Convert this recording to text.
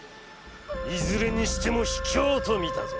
いずれにしても卑怯と見たぞ。